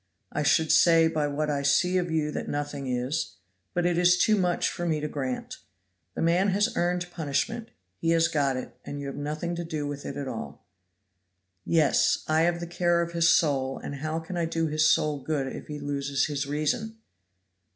I should say by what I see of you that nothing is; but it is too much for me to grant. The man has earned punishment; he has got it, and you have nothing to do with it at all." "Yes, I have the care of his soul, and how can I do his soul good if he loses his reason?"